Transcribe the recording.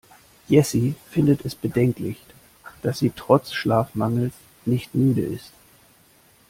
Jessy findet es bedenklich, dass sie trotz Schlafmangels nicht müde ist.